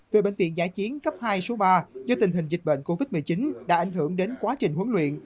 về bệnh viện giã chiến cấp hai số ba do tình hình dịch bệnh covid một mươi chín đã ảnh hưởng đến quá trình huấn luyện